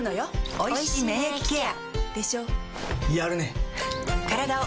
おいしい免疫ケア